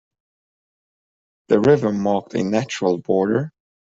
The river marked a natural border.